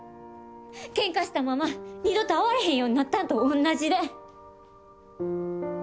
けんかしたまま二度と会われへんようになったんと同じで。